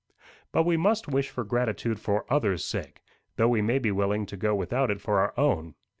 "But we must wish for gratitude for others' sake, though we may be willing to go without it for our own.